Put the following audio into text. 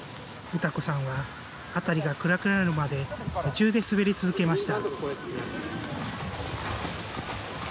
詩子さんは辺りが暗くなるまで夢中で滑り続けました。